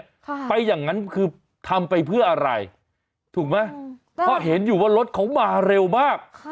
ค่ะไปอย่างนั้นคือทำไปเพื่ออะไรถูกไหมเพราะเห็นอยู่ว่ารถเขามาเร็วมาก